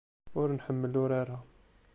Ur nḥemmel urar-a.